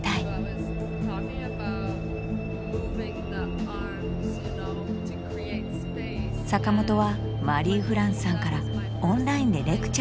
坂本はマリー＝フランスさんからオンラインでレクチャーを受けた。